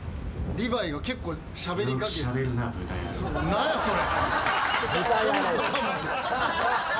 何やそれ！